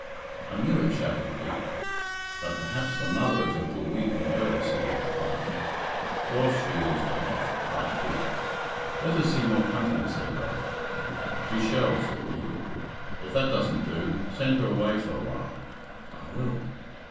"I knew it," shouted Pete. "But perhaps the mother is a little weak and nervous," he added quietly. "Coorse she is, the bogh," cried Pete. "Let her see more company," said the doctor. "She shall," said Pete. "If that doesn't do, send her away for awhile." "I will."